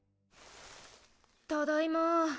ただいま。